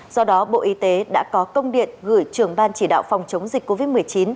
do đó bộ y tế đã có công điện gửi trưởng ban chỉ đạo phòng chống dịch covid một mươi chín